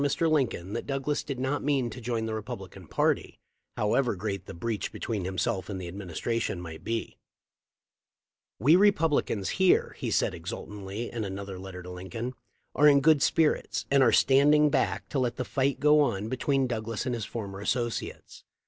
THE LIFE OF LIXCOLX. 393 assure Air. Lincoln that Douglas did not mean to join the Republican party, however great the breach between himself and the administration might be. .. 'publicans here," he said exultingly in another letter to Lincoln, "are in good spirits, and are standing back to let the fight go on between Douglas and his former associates.